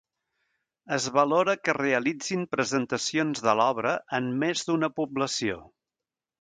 Es valora que es realitzin presentacions de l'obra en més d'una població.